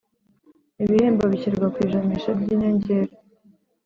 Ibihembo bishyirwa ku ijanisha ry inyongera